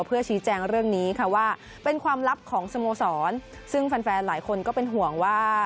เพื่อชี้แจงเรื่องนี้ค่ะว่าเป็นความลับของสโมสรซึ่งแฟนแฟนหลายคนก็เป็นห่วงว่า